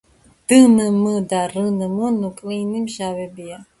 დნმ და რნმ ნუკლეინის მჟვებია.